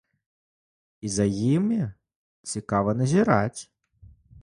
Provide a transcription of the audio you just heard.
І за імі цікава назіраць.